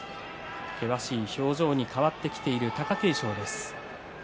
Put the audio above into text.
険しい表情に変わってきている貴景勝です。